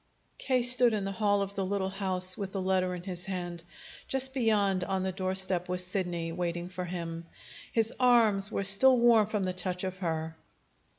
K. stood in the hall of the little house with the letter in his hand. Just beyond on the doorstep was Sidney, waiting for him. His arms were still warm from the touch of her.